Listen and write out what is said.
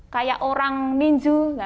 kayak orang ninju